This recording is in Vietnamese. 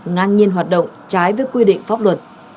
ngang nhiên hoạt động trái với quy định pháp luật